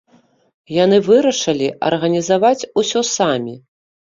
Яны вырашылі арганізаваць усё самі.